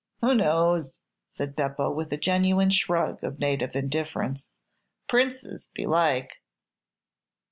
"Who knows?" said Beppo, with a genuine shrug of native indifference. "Princes, belike!"